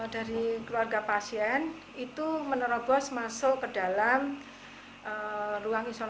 dari keluarga pasien itu menerobos masuk ke dalam ruang isolasi